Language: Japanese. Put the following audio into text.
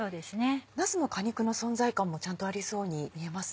なすの果肉の存在感もちゃんとありそうに見えますね。